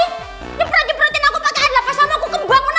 ini peran peranin aku pakai adalah pas sama aku kebangun apa